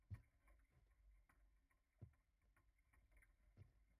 他的三摩地圣陵持续吸引全世界各地的信众前来朝圣。